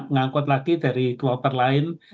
ngangkut lagi dari kloter lain